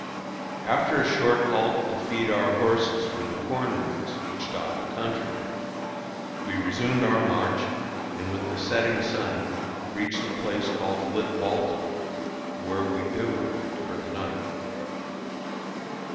After a short halt to feed our horses from the corn ricks which dot the country, we resumed our march, and with the setting sun reached a place called Litwalton, where we bivouacked for the night.